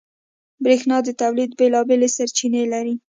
برېښنا د تولید بېلابېل سرچینې لري.